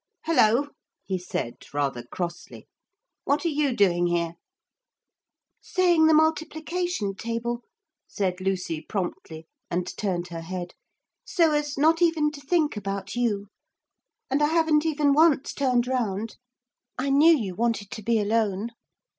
'Hullo!' he said rather crossly, 'what are you doing here?' 'Saying the multiplication table,' said Lucy promptly and turned her head, 'so as not even to think about you. And I haven't even once turned round. I knew you wanted to be alone.